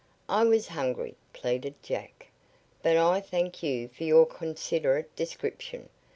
"I was hungry," pleaded Jack. "But I thank you for your considerate description.